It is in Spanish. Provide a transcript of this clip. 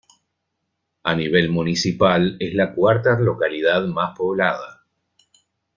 A nivel municipal es la cuarta localidad más poblada.